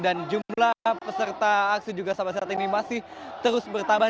dan jumlah peserta aksi juga sampai saat ini masih terus bertambah